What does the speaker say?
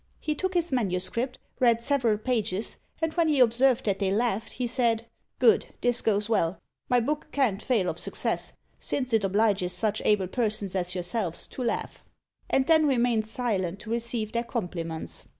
'" He took his manuscript, read several pages, and when he observed that they laughed, he said, "Good, this goes well; my book can't fail of success, since it obliges such able persons as yourselves to laugh;" and then remained silent to receive their compliments.